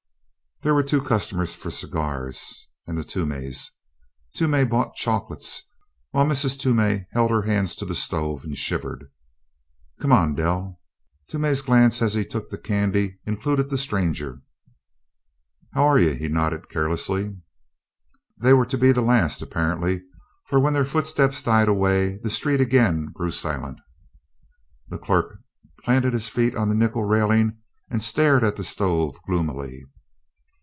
There were two customers for cigars, and the Toomeys. Toomey bought chocolates while Mrs. Toomey held her hands to the stove and shivered. "Come on, Dell." Toomey's glance as he took the candy included the stranger. "How're you?" he nodded carelessly. They were to be the last, apparently, for when their footsteps died away the street again grew silent. The clerk planted his feet on the nickel railing and stared at the stove gloomily.